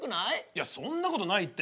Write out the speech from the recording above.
いやそんなことないって。